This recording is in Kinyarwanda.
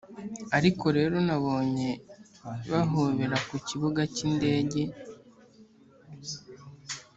ariko rero nabonye bahobera ku kibuga cy'indege.